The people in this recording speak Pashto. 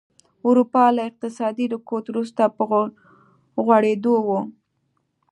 اروپا له اقتصادي رکود وروسته په غوړېدو وه.